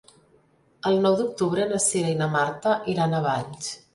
El nou d'octubre na Cira i na Marta iran a Valls.